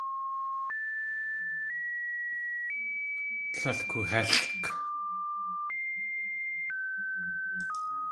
Tlél koohélʼk.